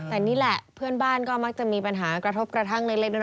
แต่นี่แหละเพื่อนบ้านก็มักจะมีปัญหากระทบกระทั่งเล็กน้อย